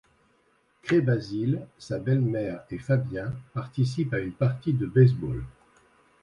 Cré Basile, sa belle-mère et Fabien participent à une partie de baseball.